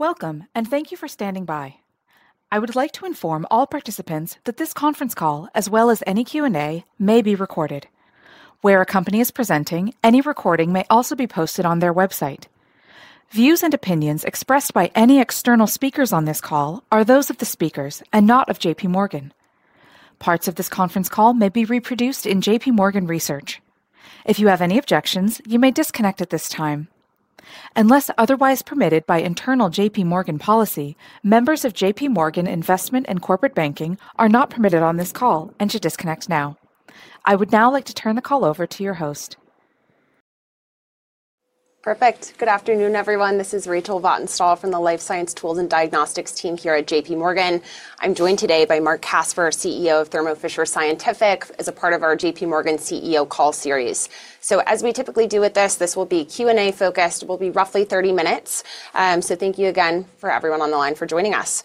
Welcome, and thank you for standing by. I would like to inform all participants that this conference call, as well as any Q&A, may be recorded. Where a company is presenting, any recording may also be posted on their website. Views and opinions expressed by any external speakers on this call are those of the speakers and not of JPMorgan. Parts of this conference call may be reproduced in JPMorgan research. If you have any objections, you may disconnect at this time. Unless otherwise permitted by internal JPMorgan policy, members of JPMorgan Investment and Corporate Banking are not permitted on this call and should disconnect now. I would now like to turn the call over to your host. Perfect. Good afternoon, everyone. This is Rachel Vatnsdal from the Life Science Tools and Diagnostics team here at JPMorgan. I'm joined today by Marc Casper, CEO of Thermo Fisher Scientific, as a part of our JPMorgan CEO call series. As we typically do with this, this will be Q&A focused. It will be roughly 30 minutes. Thank you again for everyone on the line for joining us.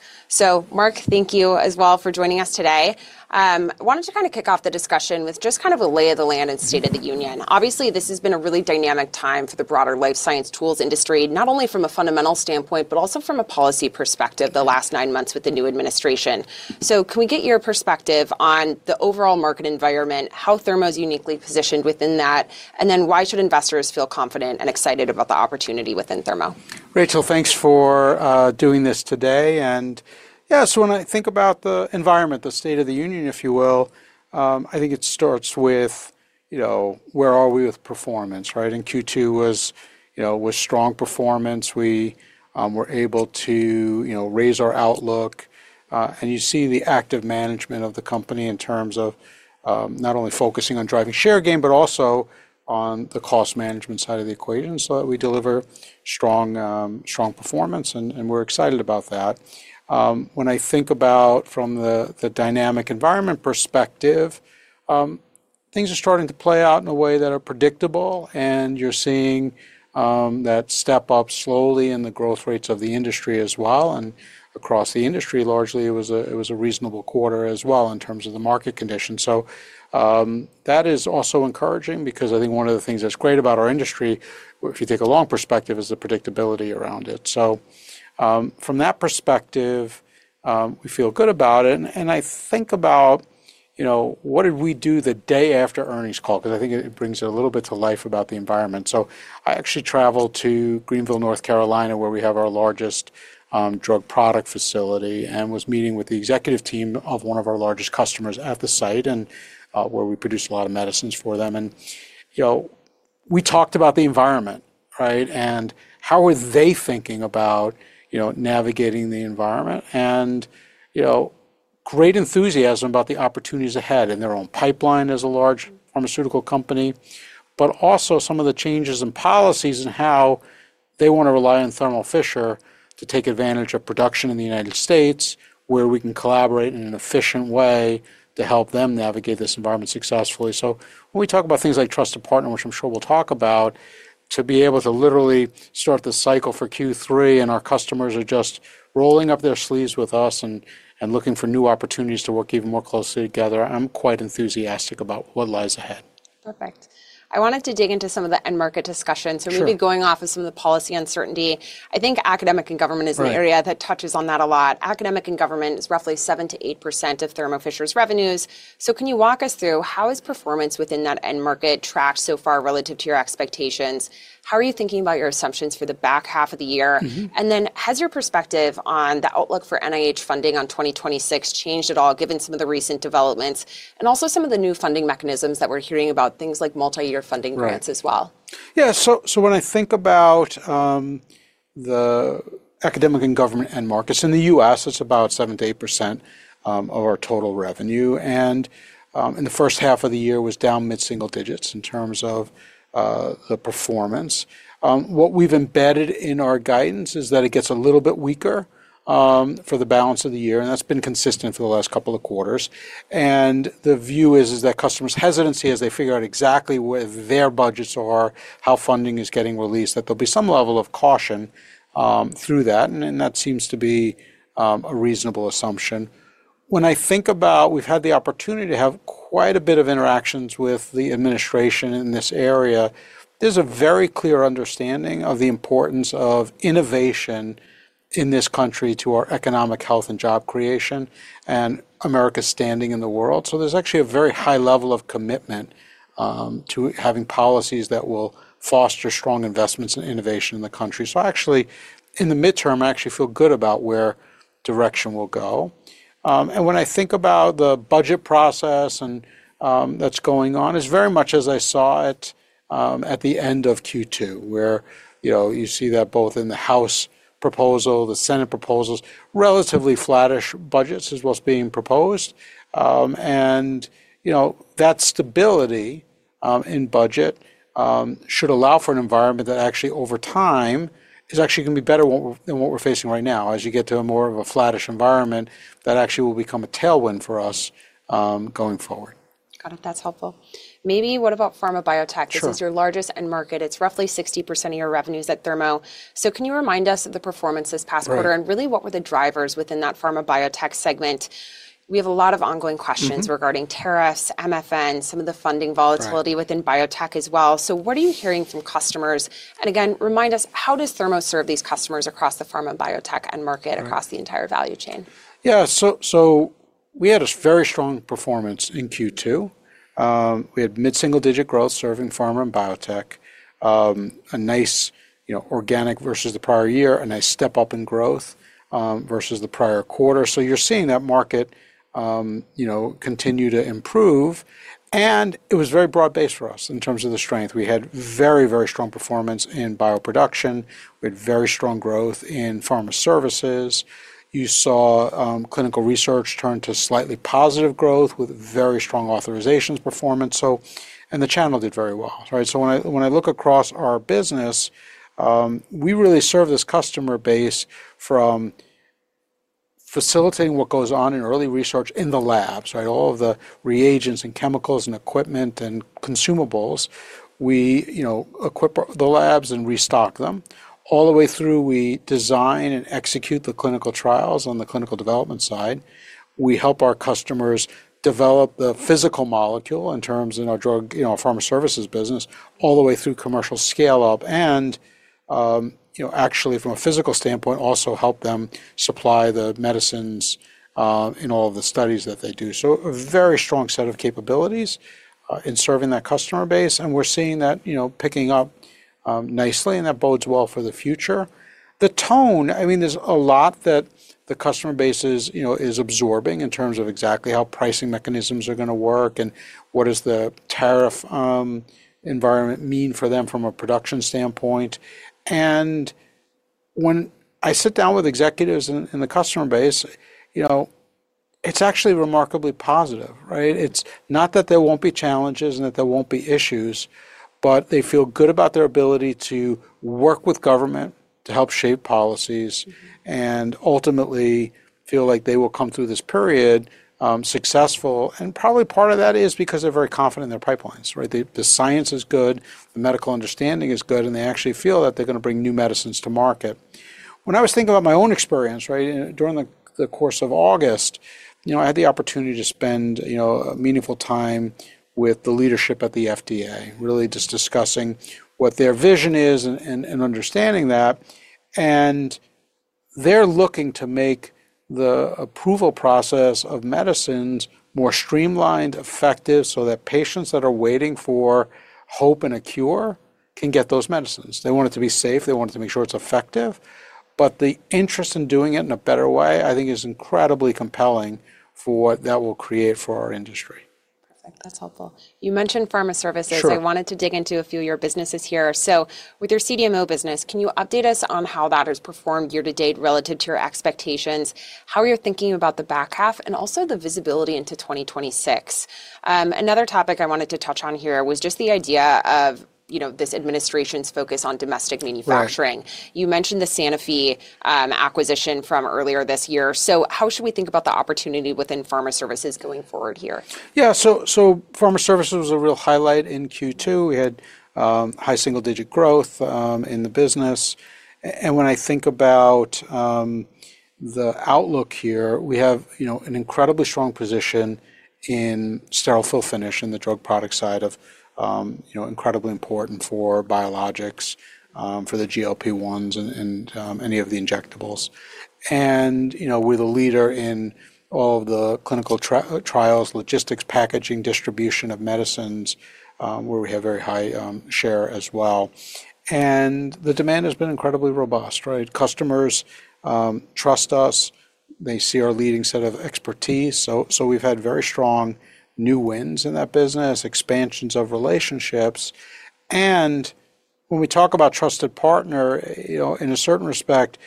Marc, thank you as well for joining us today. I wanted to kick off the discussion with just kind of a lay of the land and state of the union. Obviously, this has been a really dynamic time for the broader life science tools industry, not only from a fundamental standpoint, but also from a policy perspective, the last nine months with the new administration. Can we get your perspective on the overall market environment, how Thermo is uniquely positioned within that, and then why should investors feel confident and excited about the opportunity within Thermo? Rachel, thanks for doing this today. When I think about the environment, the state of the union, if you will, I think it starts with, you know, where are we with performance, right? Q2 was, you know, with strong performance, we were able to, you know, raise our outlook. You see the active management of the company in terms of not only focusing on driving share gain, but also on the cost management side of the equation so that we deliver strong performance, and we're excited about that. When I think about from the dynamic environment perspective, things are starting to play out in a way that are predictable, and you're seeing that step up slowly in the growth rates of the industry as well. Across the industry, largely, it was a reasonable quarter as well in terms of the market conditions. That is also encouraging because I think one of the things that's great about our industry, if you take a long perspective, is the predictability around it. From that perspective, we feel good about it. I think about, you know, what did we do the day after earnings call? I think it brings it a little bit to life about the environment. I actually traveled to Greenville, North Carolina, where we have our largest drug product facility, and was meeting with the executive team of one of our largest customers at the site, and where we produce a lot of medicines for them. We talked about the environment, right? How are they thinking about, you know, navigating the environment? Great enthusiasm about the opportunities ahead in their own pipeline as a large pharmaceutical company, but also some of the changes in policies and how they want to rely on Thermo Fisher to take advantage of production in the United States, where we can collaborate in an efficient way to help them navigate this environment successfully. When we talk about things like trusted partner, which I'm sure we'll talk about, to be able to literally start the cycle for Q3, and our customers are just rolling up their sleeves with us and looking for new opportunities to work even more closely together, I'm quite enthusiastic about what lies ahead. Perfect. I wanted to dig into some of the end market discussion. Maybe going off of some of the policy uncertainty, I think academic and government is an area that touches on that a lot. Academic and government is roughly 7% - 8% of Thermo Fisher 's revenues. Can you walk us through how is performance within that end market tracked so far relative to your expectations? How are you thinking about your assumptions for the back half of the year? Has your perspective on the outlook for NIH funding on 2026 changed at all, given some of the recent developments and also some of the new funding mechanisms that we're hearing about, things like multi-year grants as well? Yeah, so when I think about the academic and government end markets, in the U.S., it's about 7% - 8% of our total revenue. In the first half of the year, it was down mid-single digits in terms of the performance. What we've embedded in our guidance is that it gets a little bit weaker for the balance of the year, and that's been consistent for the last couple of quarters. The view is that customers' hesitancy, as they figure out exactly where their budgets are, how funding is getting released, that there'll be some level of caution through that. That seems to be a reasonable assumption. We've had the opportunity to have quite a bit of interactions with the administration in this area. There's a very clear understanding of the importance of innovation in this country to our economic health and job creation and America's standing in the world. There's actually a very high level of commitment to having policies that will foster strong investments and innovation in the country. In the midterm, I actually feel good about where direction will go. When I think about the budget process that's going on, it's very much as I saw it at the end of Q2, where you see that both in the House proposal, the Senate proposals, relatively flattish budgets is what's being proposed. That stability in budget should allow for an environment that actually, over time, is actually going to be better than what we're facing right now. As you get to a more of a flattish environment, that actually will become a tailwind for us going forward. Got it. That's helpful. Maybe what about pharma/biotech? This is your largest end market. It's roughly 60% of your revenues at Thermo. Can you remind us of the performance this past quarter and really what were the drivers within that pharma/biotech segment? We have a lot of ongoing questions regarding tariffs, MFN, some of the funding volatility within biotech as well. What are you hearing from customers? Again, remind us, how does Thermo serve these customers across the pharma/biotech end market across the entire value chain? Yeah, we had a very strong performance in Q2. We had mid-single digit growth serving pharma/biotech. A nice organic versus the prior year, a nice step up in growth versus the prior quarter. You're seeing that market continue to improve. It was very broad-based for us in terms of the strength. We had very, very strong performance in bioproduction. We had very strong growth in pharma services. You saw clinical research turn to slightly positive growth with very strong authorizations performance. The channel did very well. When I look across our business, we really serve this customer base from facilitating what goes on in early research in the labs, all of the reagents and chemicals and equipment and consumables. We equip the labs and restock them. All the way through, we design and execute the clinical trials on the clinical development side. We help our customers develop the physical molecule in our drug pharma services business, all the way through commercial scale-up. From a physical standpoint, we also help them supply the medicines in all of the studies that they do. A very strong set of capabilities in serving that customer base. We're seeing that picking up nicely, and that bodes well for the future. The tone, there's a lot that the customer base is absorbing in terms of exactly how pricing mechanisms are going to work and what the tariff environment means for them from a production standpoint. When I sit down with executives and the customer base, it's actually remarkably positive, right? It's not that there won't be challenges and that there won't be issues, but they feel good about their ability to work with government to help shape policies and ultimately feel like they will come through this period successful. Probably part of that is because they're very confident in their pipelines, right? The science is good, the medical understanding is good, and they actually feel that they're going to bring new medicines to market. When I was thinking about my own experience during the course of August, I had the opportunity to spend meaningful time with the leadership at the FDA, really just discussing what their vision is and understanding that. They're looking to make the approval process of medicines more streamlined, effective, so that patients that are waiting for hope and a cure can get those medicines. They want it to be safe. They want to make sure it's effective. The interest in doing it in a better way, I think, is incredibly compelling for what that will create for our industry. Perfect. That's helpful. You mentioned pharma services. I wanted to dig into a few of your businesses here. With your CDMO business, can you update us on how that has performed year- to- date relative to your expectations, how you're thinking about the back half, and also the visibility into 2026? Another topic I wanted to touch on here was just the idea of this administration's focus on domestic manufacturing. You mentioned the Sanofi acquisition from earlier this year. How should we think about the opportunity within pharma services going forward here? Yeah, pharma services was a real highlight in Q2. We had high single-digit growth in the business. When I think about the outlook here, we have an incredibly strong position in sterile fill finish in the drug product side, which is incredibly important for biologics, for the GLP-1s, and any of the injectables. We're the leader in all of the clinical trials, logistics, packaging, distribution of medicines, where we have very high share as well. The demand has been incredibly robust, right? Customers trust us. They see our leading set of expertise. We've had very strong new wins in that business, expansions of relationships. When we talk about trusted partner, in a certain respect,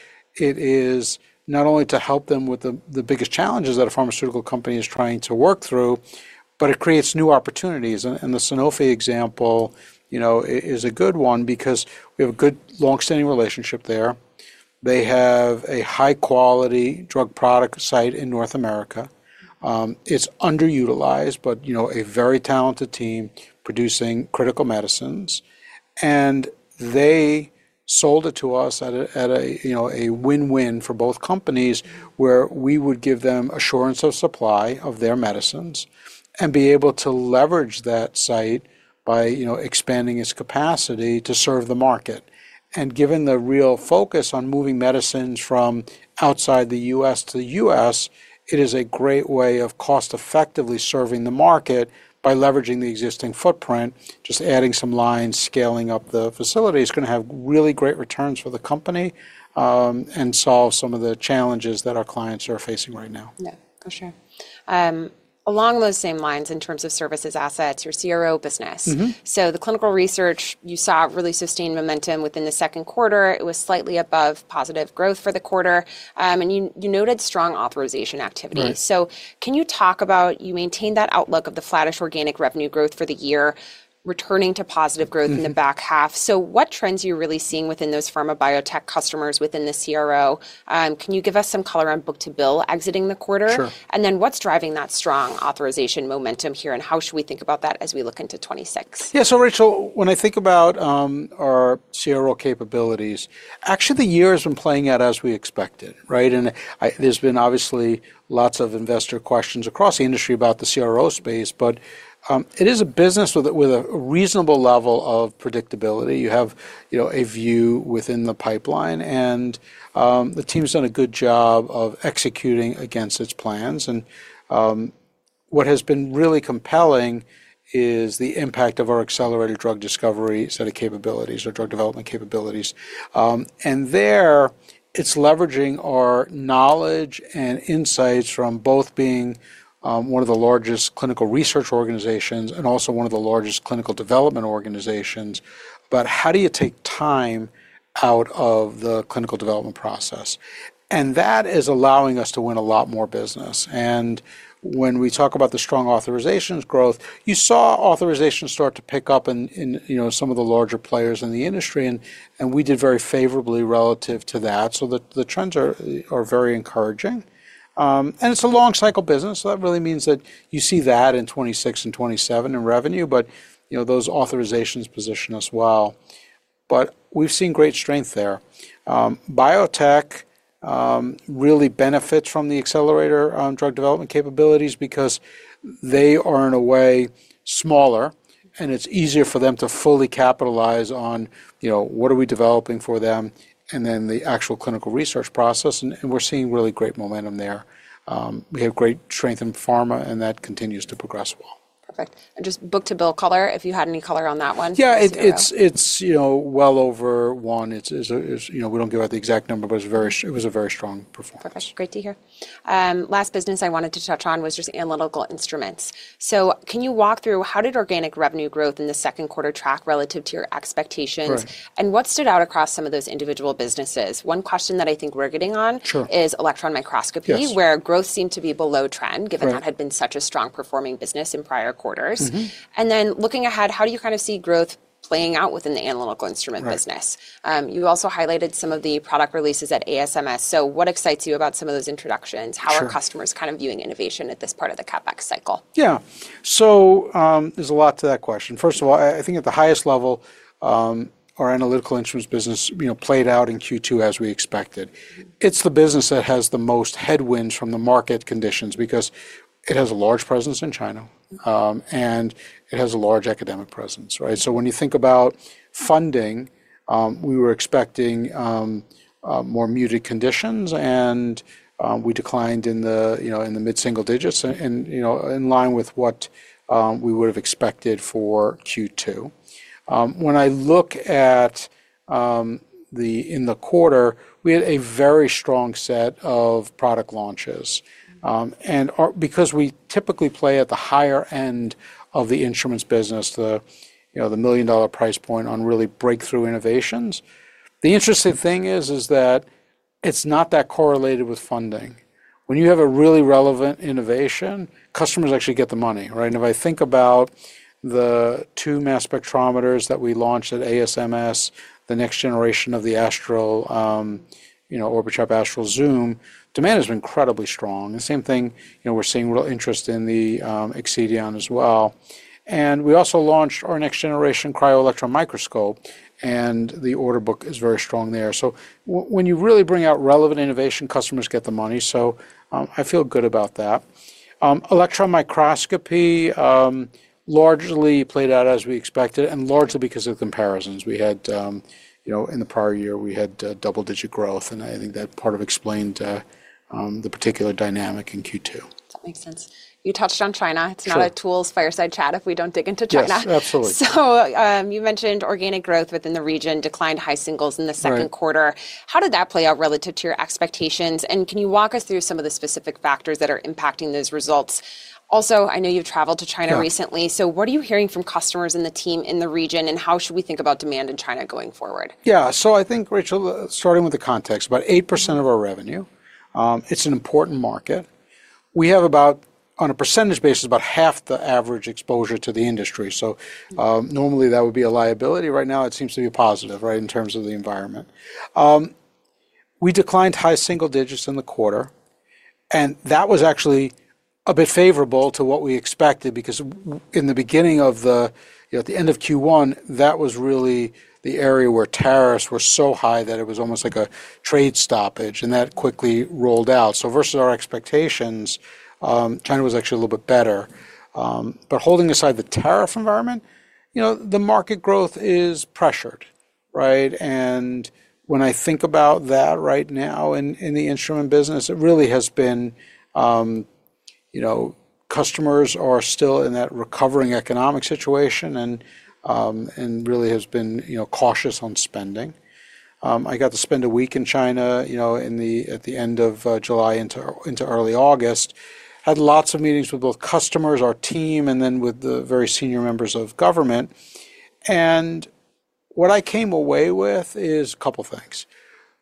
it is not only to help them with the biggest challenges that a pharmaceutical company is trying to work through, but it creates new opportunities. The Sanofi example is a good one because we have a good longstanding relationship there. They have a high-quality drug product site in North America. It's underutilized, but a very talented team producing critical medicines. They sold it to us at a win-win for both companies, where we would give them assurance of supply of their medicines and be able to leverage that site by expanding its capacity to serve the market. Given the real focus on moving medicines from outside the U.S. to the U.S., it is a great way of cost-effectively serving the market by leveraging the existing footprint, just adding some lines, scaling up the facility. It's going to have really great returns for the company and solve some of the challenges that our clients are facing right now. Yeah, for sure. Along those same lines, in terms of services, assets, your CRO business, the clinical research, you saw really sustained momentum within the second quarter. It was slightly above positive growth for the quarter, and you noted strong authorization activity. Can you talk about, you maintained that outlook of the flattish organic revenue growth for the year, returning to positive growth in the back half. What trends are you really seeing within those pharma/biotech customers within the CRO? Can you give us some color on book to bill exiting the quarter? Sure. What is driving that strong authorization momentum here, and how should we think about that as we look into 2026? Yeah, so Rachel, when I think about our CRO capabilities, the year has been playing out as we expected, right? There's been obviously lots of investor questions across the industry about the CRO space. It is a business with a reasonable level of predictability. You have a view within the pipeline. The team's done a good job of executing against its plans. What has been really compelling is the impact of our Accelerator Drug Development solution, our drug development capabilities. There, it's leveraging our knowledge and insights from both being one of the largest clinical research organizations and also one of the largest clinical development organizations. How do you take time out of the clinical development process? That is allowing us to win a lot more business. When we talk about the strong authorizations growth, you saw authorizations start to pick up in some of the larger players in the industry. We did very favorably relative to that. The trends are very encouraging. It's a long cycle business. That really means that you see that in 2026 and 2027 in revenue. Those authorizations position us well. We've seen great strength there. Biotech really benefits from the Accelerator Drug Development capabilities because they are, in a way, smaller. It's easier for them to fully capitalize on what are we developing for them and then the actual clinical research process. We're seeing really great momentum there. We have great strength in pharma, and that continues to progress well. Perfect. Just book to bill color, if you had any color on that one. Yeah, it's well over 1x. We don't give out the exact number, but it was a very strong performance. Perfect. Great to hear. Last business I wanted to touch on was your Analytical Instruments. Can you walk through how did organic revenue growth in the second quarter track relative to your expectations? What stood out across some of those individual businesses? One question that I think we're getting on is electron microscopy, where growth seemed to be below trend, given that had been such a strong performing business in prior quarters. Looking ahead, how do you kind of see growth playing out within the Analytical Instrument business? You also highlighted some of the product releases at ASMS. What excites you about some of those introductions? How are customers kind of viewing innovation at this part of the CapEx cycle? Yeah, so there's a lot to that question. First of all, I think at the highest level, our Analytical Instruments business played out in Q2 as we expected. It's the business that has the most headwinds from the market conditions because it has a large presence in China, and it has a large academic presence, right? When you think about funding, we were expecting more muted conditions. We declined in the mid-single digits, in line with what we would have expected for Q2. When I look at the quarter, we had a very strong set of product launches. Because we typically play at the higher end of the instruments business, the million-dollar price point on really breakthrough innovations, the interesting thing is that it's not that correlated with funding. When you have a really relevant innovation, customers actually get the money, right? If I think about the two mass spectrometers that we launched at ASMS, the next generation of the Orbitrap Astral Zoom, demand has been incredibly strong. The same thing, we're seeing real interest in the Excedion as well. We also launched our next generation cryo electron microscope, and the order book is very strong there. When you really bring out relevant innovation, customers get the money. I feel good about that. Electron microscopy largely played out as we expected, and largely because of the comparisons. In the prior year, we had double-digit growth, and I think that part explained the particular dynamic in Q2. That makes sense. You touched on China. It's not a tools fireside chat if we don't dig into China. Yes, absolutely. You mentioned organic growth within the region declined high singles in the second quarter. How did that play out relative to your expectations? Can you walk us through some of the specific factors that are impacting those results? I know you've traveled to China recently. What are you hearing from customers and the team in the region? How should we think about demand in China going forward? Yeah, so I think, Rachel, starting with the context, about 8% of our revenue. It's an important market. We have about, on a percentage basis, about half the average exposure to the industry. Normally, that would be a liability. Right now, it seems to be positive, right, in terms of the environment. We declined high single digits in the quarter. That was actually a bit favorable to what we expected because at the end of Q1, that was really the area where tariffs were so high that it was almost like a trade stoppage. That quickly rolled out. Versus our expectations, China was actually a little bit better. Holding aside the tariff environment, the market growth is pressured, right? When I think about that right now in the instrument business, it really has been customers are still in that recovering economic situation and really have been cautious on spending. I got to spend a week in China at the end of July into early August. I had lots of meetings with both customers, our team, and then with the very senior members of government. What I came away with is a couple of things.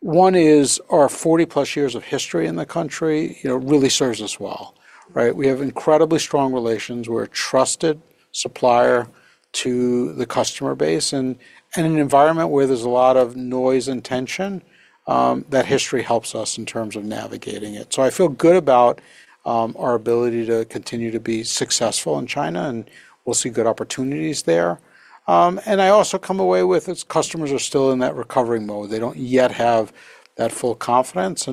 One is our +40 years of history in the country really serves us well, right? We have incredibly strong relations. We're a trusted supplier to the customer base. In an environment where there's a lot of noise and tension, that history helps us in terms of navigating it. I feel good about our ability to continue to be successful in China. We'll see good opportunities there. I also come away with customers are still in that recovery mode. They don't yet have that full confidence.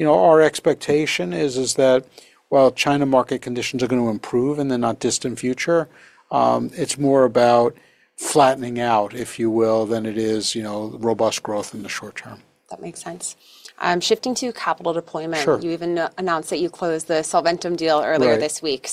Our expectation is that while China market conditions are going to improve in the not distant future, it's more about flattening out, if you will, than it is robust growth in the short term. That makes sense. Shifting to capital deployment, you even announced that you closed the Solventum deal earlier this week.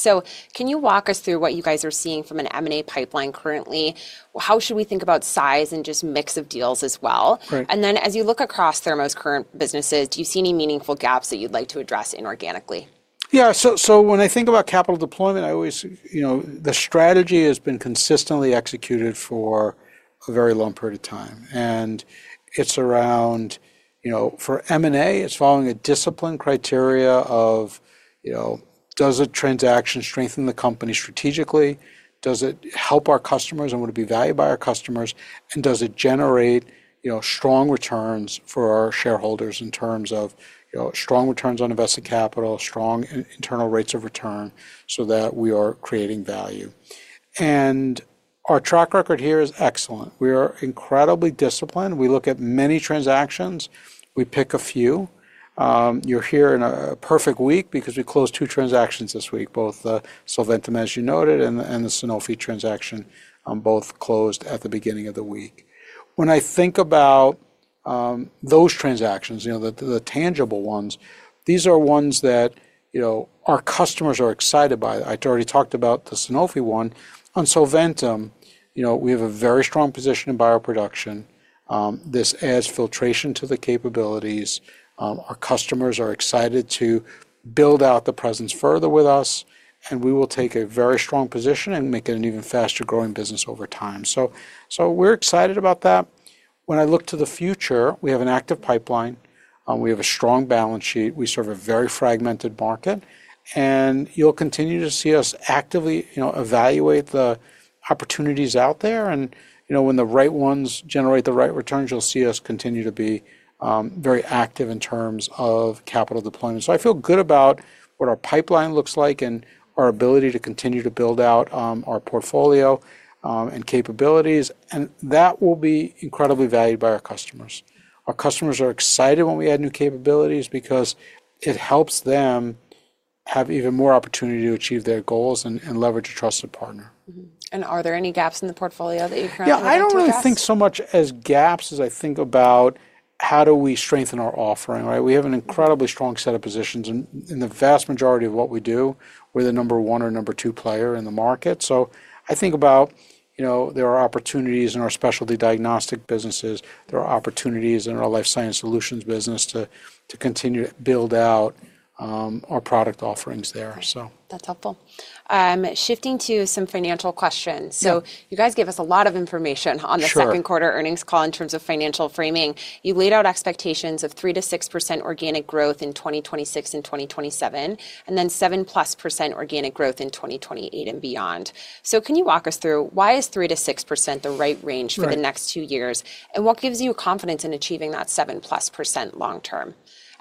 Can you walk us through what you guys are seeing from an M&A pipeline currently? How should we think about size and just mix of deals as well? As you look across Thermo 's current businesses, do you see any meaningful gaps that you'd like to address inorganically? Yeah, so when I think about capital deployment, I always, you know, the strategy has been consistently executed for a very long period of time. It's around, you know, for M&A, it's following a disciplined criteria of, you know, does a transaction strengthen the company strategically? Does it help our customers? Would it be valued by our customers? Does it generate, you know, strong returns for our shareholders in terms of, you know, strong returns on invested capital, strong internal rates of return so that we are creating value? Our track record here is excellent. We are incredibly disciplined. We look at many transactions. We pick a few. You're here in a perfect week because we closed two transactions this week, both the Solventum, as you noted, and the Sanofi transaction, both closed at the beginning of the week. When I think about those transactions, you know, the tangible ones, these are ones that, you know, our customers are excited by. I already talked about the Sanofi one. On Solventum, you know, we have a very strong position in bioproduction. This adds filtration to the capabilities. Our customers are excited to build out the presence further with us. We will take a very strong position and make it an even faster growing business over time. We're excited about that. When I look to the future, we have an active pipeline. We have a strong balance sheet. We serve a very fragmented market. You'll continue to see us actively, you know, evaluate the opportunities out there. When the right ones generate the right returns, you'll see us continue to be very active in terms of capital deployment. I feel good about what our pipeline looks like and our ability to continue to build out our portfolio and capabilities. That will be incredibly valued by our customers. Our customers are excited when we add new capabilities because it helps them have even more opportunity to achieve their goals and leverage a trusted partner. Are there any gaps in the portfolio that you currently see? I don't really think so much as gaps as I think about how do we strengthen our offering, right? We have an incredibly strong set of positions. In the vast majority of what we do, we're the number one or number two player in the market. I think about, you know, there are opportunities in our specialty diagnostic businesses. There are opportunities in our Life Science solutions business to continue to build out our product offerings there. That's helpful. Shifting to some financial questions. You guys gave us a lot of information on the second quarter earnings call in terms of financial framing. You laid out expectations of 3% - 6% organic growth in 2026 and 2027, and +7% organic growth in 2028 and beyond. Can you walk us through why 3% - 6% is the right range for the next two years? What gives you confidence in achieving that +7% long term?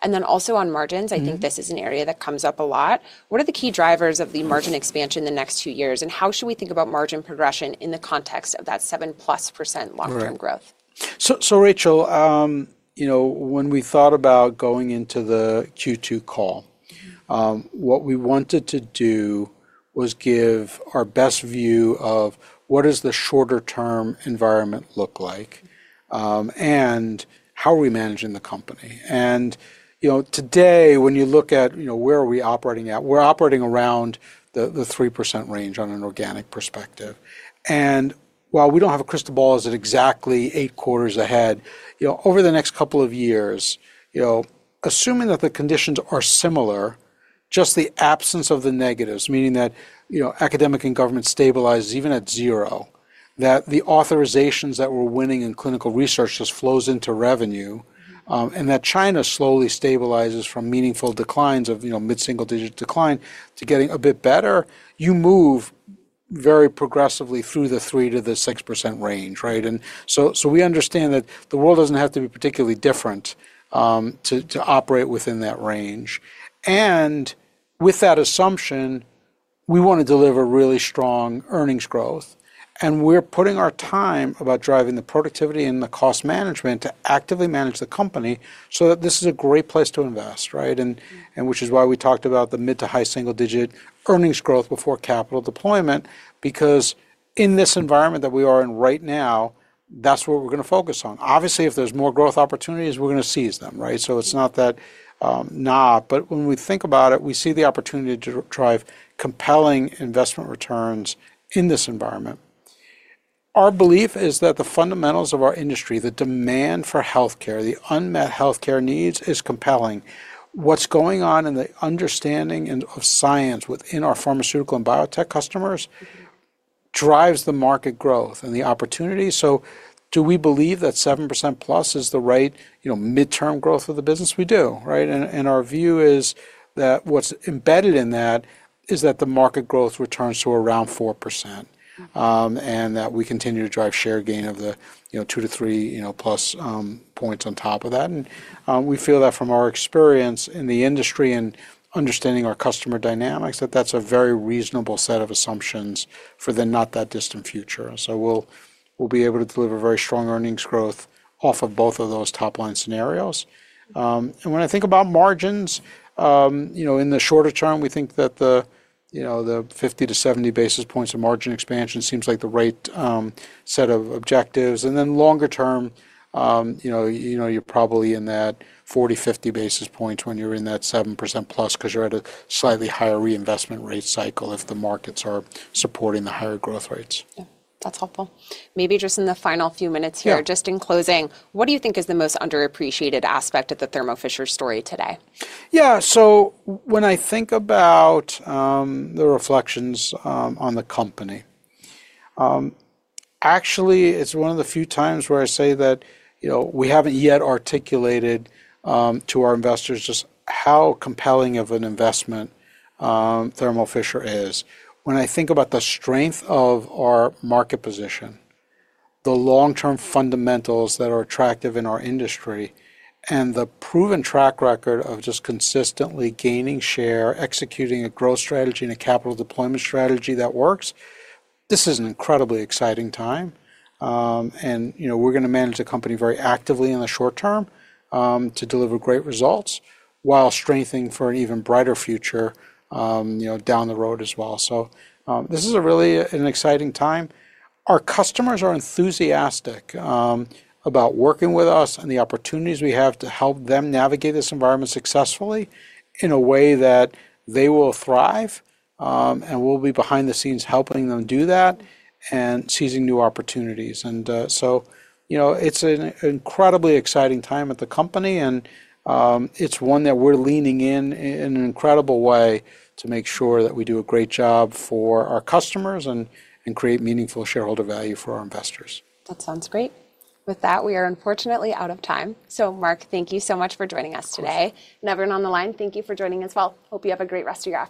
Also, on margins, I think this is an area that comes up a lot. What are the key drivers of the margin expansion in the next two years? How should we think about margin progression in the context of that +7% long term growth? Rachel, when we thought about going into the Q2 call, what we wanted to do was give our best view of what does the shorter term environment look like and how are we managing the company. Today, when you look at where are we operating at, we're operating around the 3% range on an organic perspective. While we don't have a crystal ball as at exactly eight quarters ahead, over the next couple of years, assuming that the conditions are similar, just the absence of the negatives, meaning that academic and government stabilizes even at 0%, that the authorizations that we're winning in clinical research just flow into revenue, and that China slowly stabilizes from meaningful declines of mid-single digit decline to getting a bit better, you move very progressively through the 3% - 6% range, right? We understand that the world doesn't have to be particularly different to operate within that range. With that assumption, we want to deliver really strong earnings growth. We're putting our time about driving the productivity and the cost management to actively manage the company so that this is a great place to invest, right? Which is why we talked about the mid- to high- single- digit earnings growth before capital deployment, because in this environment that we are in right now, that's where we're going to focus on. Obviously, if there's more growth opportunities, we're going to seize them, right? It's not that, nah, but when we think about it, we see the opportunity to drive compelling investment returns in this environment. Our belief is that the fundamentals of our industry, the demand for health care, the unmet health care needs is compelling. What's going on in the understanding of science within our pharmaceutical and biotech customers drives the market growth and the opportunity. Do we believe that +7% is the right, you know, mid-term growth of the business? We do, right? Our view is that what's embedded in that is that the market growth returns to around 4% and that we continue to drive share gain of the +2 to + 3, you know, percentage points on top of that. We feel that from our experience in the industry and understanding our customer dynamics, that that's a very reasonable set of assumptions for the not that distant future. We'll be able to deliver very strong earnings growth off of both of those top line scenarios. When I think about margins, in the shorter term, we think that the 50 basis points- 70 basis points of margin expansion seems like the right set of objectives. In the longer term, you're probably in that 40 basis points-50 basis point when you're in that +7% because you're at a slightly higher reinvestment rate cycle if the markets are supporting the higher growth rates. Yeah, that's helpful. Maybe just in the final few minutes here, just in closing, what do you think is the most underappreciated aspect of the Thermo Fisher story today? Yeah, so when I think about the reflections on the company, actually, it's one of the few times where I say that we haven't yet articulated to our investors just how compelling of an investment Thermo Fisher is. When I think about the strength of our market position, the long-term fundamentals that are attractive in our industry, and the proven track record of just consistently gaining share, executing a growth strategy, and a capital deployment strategy that works, this is an incredibly exciting time. We're going to manage the company very actively in the short term to deliver great results while strengthening for an even brighter future down the road as well. This is really an exciting time. Our customers are enthusiastic about working with us and the opportunities we have to help them navigate this environment successfully in a way that they will thrive. We'll be behind the scenes helping them do that and seizing new opportunities. It's an incredibly exciting time at the company, and it's one that we're leaning in in an incredible way to make sure that we do a great job for our customers and create meaningful shareholder value for our investors. That sounds great. With that, we are unfortunately out of time. Marc, thank you so much for joining us today. Everyone on the line, thank you for joining as well. Hope you have a great rest of your day.